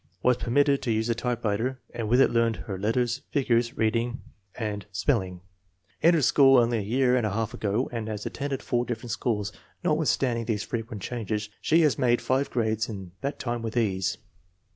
Was permitted to use a typewriter and with it learned her letters, figures, reading, and spell 234 INTELLIGENCE OF SCHOOL CHILDREN ing. Entered school only a year and a half ago, and has attended four different schools. Notwithstand ing these frequent changes she has made five grades in that time with ease.